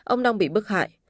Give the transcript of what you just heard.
ông đang bị bức hại